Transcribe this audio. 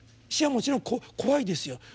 死はもちろん怖いですよ。